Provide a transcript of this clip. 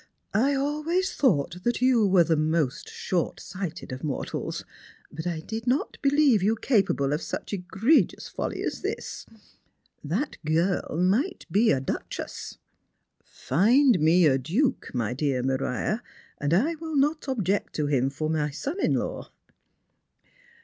" 1 always thought that you were the most short sighted of mortals; but I did not believe you capable of such egregious folly as thia. That girl might be a duchess." " Find me a duke, my dear Maria, and I will not object to him for my son in law."